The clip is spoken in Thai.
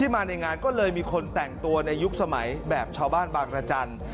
มาในงานก็เลยมีคนแต่งตัวในยุคสมัยแบบชาวบ้านบางรจันทร์